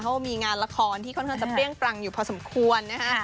เขามีงานละครที่ค่อนจะเปรี้ยงปรังอยู่พอสมควรนะฮะ